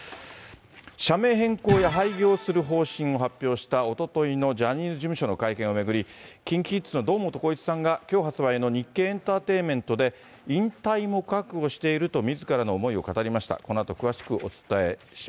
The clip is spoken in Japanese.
社名変更や廃業する方針を発表したおとといのジャニーズ事務所の会見を巡り、ＫｉｎＫｉＫｉｄｓの堂本光一さんがきょう発売の日経エンターテイメントで、引退も覚悟していると、みずからの思いを語りました。